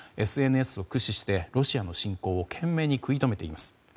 ＳＮＳを駆使して、ロシアの侵攻を懸命に食い止めています。